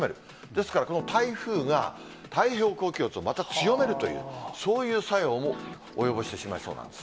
ですから、この台風が、太平洋高気圧をまた強めるという、そういう作用も及ぼしてしまいそうなんです。